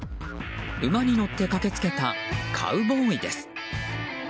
馬に乗って駆け付けたカウボーイです。